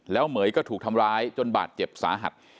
เหม๋ยก็ถูกทำร้ายจนบาดเจ็บสาหัส